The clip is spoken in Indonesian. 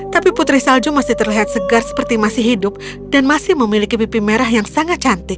tapi putri salju masih terlihat segar seperti masih hidup dan masih memiliki pipi merah yang sangat cantik